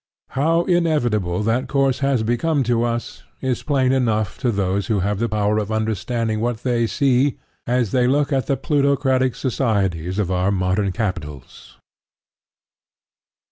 How inevitable that course has become to us is plain enough to those who have the power of understanding what they see as they look at the plutocratic societies of our modern capitals.